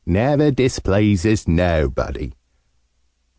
Never displeases nobody.